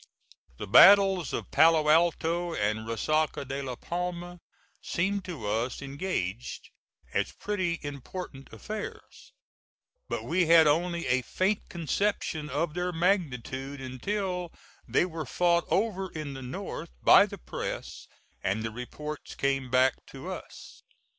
The battles of Palo Alto and Resaca de la Palma seemed to us engaged, as pretty important affairs; but we had only a faint conception of their magnitude until they were fought over in the North by the Press and the reports came back to us.